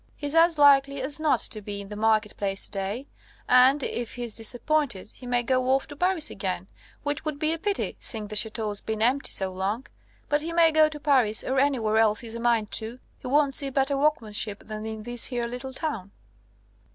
He's as likely as not to be in the market place to day; and if he's disappointed, he may go off to Paris again, which would be a pity, seeing the Ch√¢teau's been empty so long. But he may go to Paris, or anywhere else he's a mind to, he won't see better workmanship than in this here little town!"